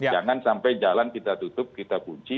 jangan sampai jalan kita tutup kita kunci